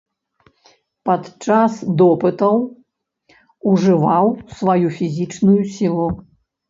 Падчас допытаў ужываў сваю фізічную сілу.